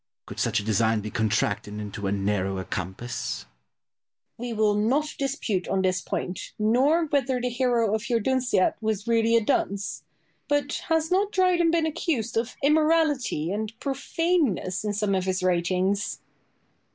Could such a design be contracted into a narrower compass? Boileau. We will not dispute on this point, nor whether the hero of your "Dunciad" was really a dunce. But has not Dryden been accused of immorality and profaneness in some of his writings?